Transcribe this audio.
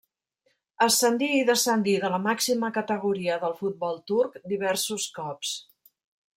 Ascendí i descendí de la màxima categoria del futbol turc diversos cops.